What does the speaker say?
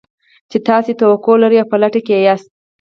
چې تاسې يې توقع لرئ او په لټه کې يې ياست.